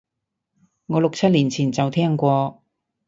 我六七年前就聽過